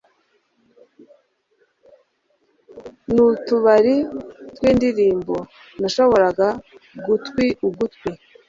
nk'utubari twindirimbo. nashoboraga gutwi ugutwi